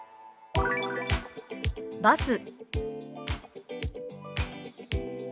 「バス」。